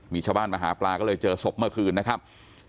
มีชาวบ้านมาหาปลาก็เลยเจอศพเมื่อคืนนะครับ